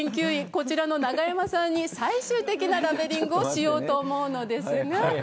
こちらのナガヤマさんに最終的なラベリングをしようと思うのですが。